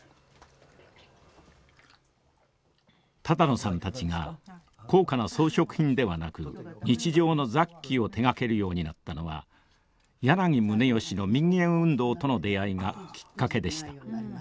多々納さんたちが高価な装飾品ではなく日常の雑器を手がけるようになったのは柳宗悦の民藝運動との出会いがきっかけでした。